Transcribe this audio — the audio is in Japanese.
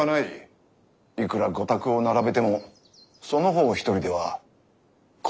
いくら御託を並べてもその方一人では心もとないからのう。